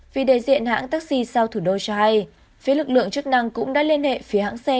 vì đại diện hãng taxi sao thủ đô cho hay phía lực lượng chức năng cũng đã liên hệ phía hãng xe